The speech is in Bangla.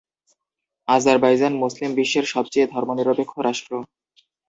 আজারবাইজান মুসলিম বিশ্বের সবচেয়ে ধর্মনিরপেক্ষ রাষ্ট্র।